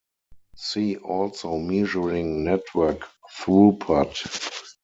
See also measuring network throughput.